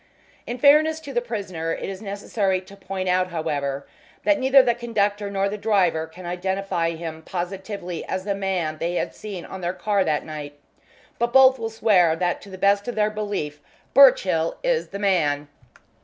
In fairness to the prisoner, it was necessary to point out, however, that neither the conductor nor the driver can identify him positively as the man they had seen on their car that night, but both will swear that to the best of their belief Birchill is the man.